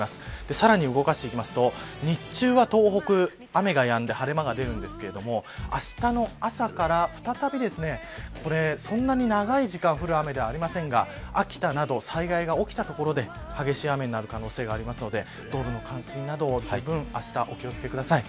さらに動かしていきますと日中は東北雨がやんで晴れ間が出ますがあしたの朝から再びそんなに長い時間降る雨ではありませんが秋田など、災害が起きた所で激しい雨になる可能性がありますので道路の冠水など、じゅうぶんあした、お気を付けください。